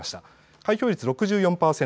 開票率６４％。